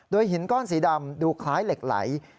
หินก้อนสีดำดูคล้ายเหล็กไหล